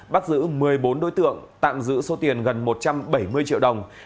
bắt giữ một mươi bốn đối tượng tạm giữ số tiền gần một trăm bảy mươi triệu đồng